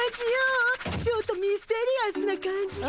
ちょっとミステリアスな感じで。